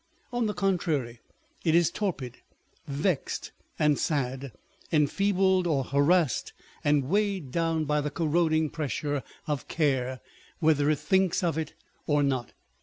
On the contrary, it is torpid, vexed, and sad, enfeebled or harassed, and weighed down by the corroding pressure of care, whether it thinks of it or not.